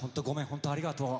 本当ありがとう。